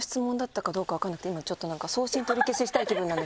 今ちょっと送信取り消ししたい気分なんですけど。